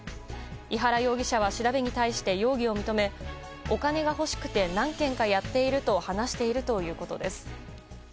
井原容疑者は調べに対して容疑を認めお金が欲しくて何件かやっていると話しているということです。